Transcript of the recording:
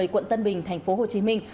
quận tân bình thành phố hồ chí minh